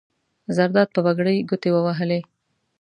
زرداد په پګړۍ ګوتې ووهلې.